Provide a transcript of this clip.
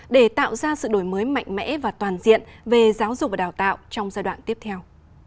để tạo ra sự đổi mới mạnh mẽ và toàn diện về giáo dục và đào tạo trong giai đoạn tiếp theo